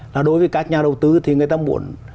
là đối với các nhà đầu tư thì người ta muốn